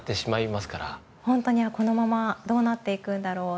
ホントにこのままどうなっていくんだろうって。